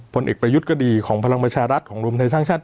ผลเอกประยุทธ์ก็ดีของพลังประชารัฐของรวมไทยสร้างชาติ